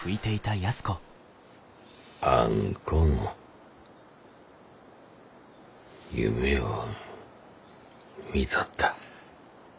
あんこの夢を見とった。